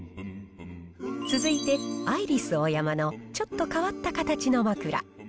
続いてアイリスオーヤマのちょっと変わった形の枕。